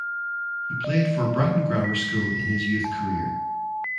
He Played for Brighton Grammar School in his youth career.